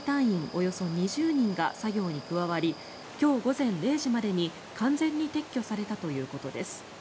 およそ２０人が作業に加わり今日午前０時までに完全に撤去されたということです。